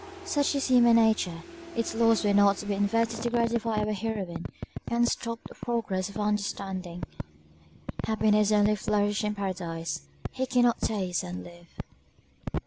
Such is human nature, its laws were not to be inverted to gratify our heroine, and stop the progress of her understanding, happiness only flourished in paradise we cannot taste and live.